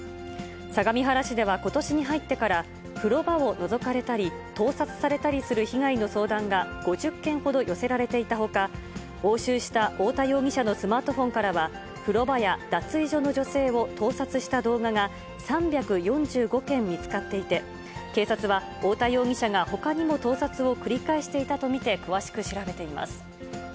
相模原市ではことしに入ってから、風呂場をのぞかれたり、盗撮されたりする被害の相談が５０件ほど寄せられていたほか、押収した太田容疑者のスマートフォンからは、風呂場や脱衣所の女性を盗撮した動画が３４５件見つかっていて、警察は太田容疑者がほかにも盗撮を繰り返していたと見て、詳しく調べています。